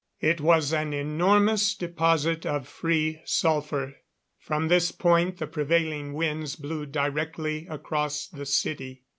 It was an enormous deposit of free sulphur. From this point the prevailing wind blew directly across the city.